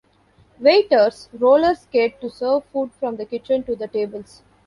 Waiters roller-skate to serve food from the kitchen to the tables.